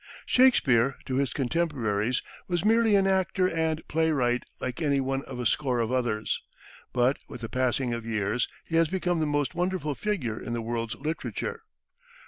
Shakespeare, to his contemporaries, was merely an actor and playwright like any one of a score of others; but, with the passing of years, he has become the most wonderful figure in the world's literature.